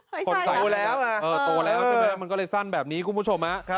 ไม่ใช่ล่ะตัวแล้วมันก็เลยสั้นแบบนี้คุณผู้ชมนะ